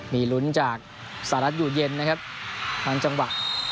มีลุ้นจากสหรัฐอยู่เย็นนะครับทั้งจังหวะ